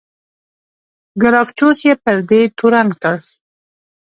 ګراکچوس یې پر دې تورن کړ.